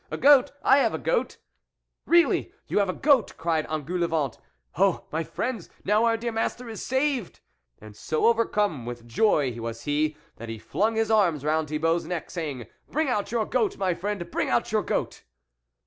" A goat ? I have a goat !"" Really ! you have a goat ?" cried Engoulevent, " oh ! my friends ! now our dear master is saved !" And so overcome with joy was he, that he flung his arms round Thibault's neck, saying, " Bring out your goat, my friend ! bring out your goat